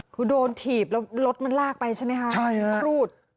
คือโดนถีบแล้วรถมันลากไปใช่ไหมคะครูด